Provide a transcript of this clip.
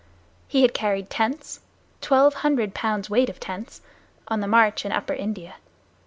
He had carried tents, twelve hundred pounds' weight of tents, on the march in Upper India.